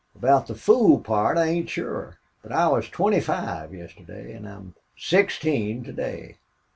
"Aboot the fool part I ain't shore, but I was twenty five yesterday an' I'm sixteen to day."